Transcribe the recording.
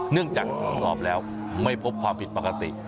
เนื่องจากตรวจสอบแล้วไม่พบความผิดปกติ